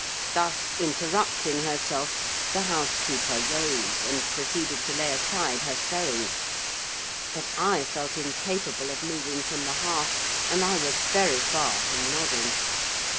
Thus interrupting herself, the housekeeper rose, and proceeded to lay aside her sewing; but I felt incapable of moving from the hearth, and I was very far from nodding.